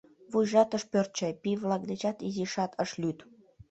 Вуйжат ыш пӧрд чай, пий-влак дечат изишат ыш лӱд.